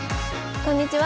こんにちは。